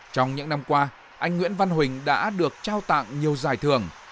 trong những năm qua anh nguyễn văn huỳnh đã được trao tặng nhiều giải thưởng